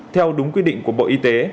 theo đúng quy định của bộ y tế